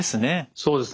そうですね。